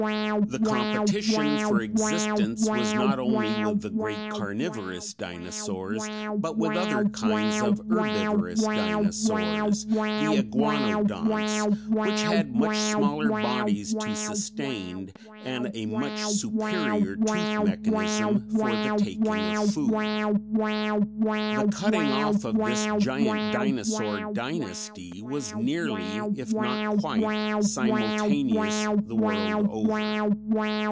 The competition for existence was not only with the great carnivorous dinosaurs, but with other kinds of herbivorous dinosaurs (the iguanodonts), which had much smaller bodies to sustain and a much superior tooth mechanism for the taking of food. The cutting off of this giant dinosaur dynasty was nearly if not quite simultaneous the world over.